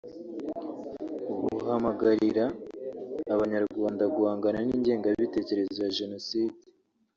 buhamagarira Abanyarwanda guhangana n’ingengabitekerezo ya Jenoside